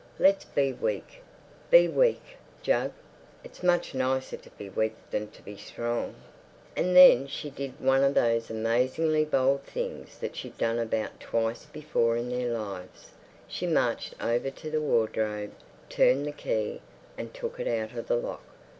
Let's be weak—be weak, Jug. It's much nicer to be weak than to be strong." And then she did one of those amazingly bold things that she'd done about twice before in their lives: she marched over to the wardrobe, turned the key, and took it out of the lock.